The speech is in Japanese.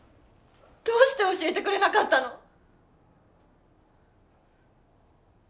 どうして教えてくれなかったの？